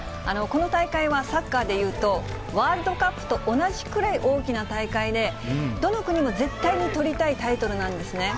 この大会はサッカーでいうと、ワールドカップと同じくらい大きな大会で、どの国も絶対にとりたいタイトルなんですね。